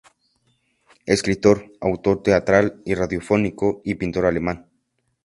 Escritor, autor teatral y radiofónico y pintor alemán.